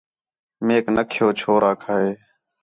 میک نہ کھیو چھور آکھا ہِے